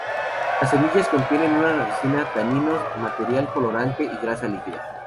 Las semillas contienen una resina, taninos, material colorante y una grasa líquida.